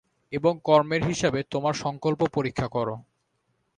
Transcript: এবং কর্মের হিসাবে তোমার সংকল্প পরীক্ষা করো।